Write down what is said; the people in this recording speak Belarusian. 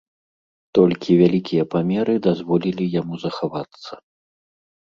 Толькі вялікія памеры дазволілі яму захавацца.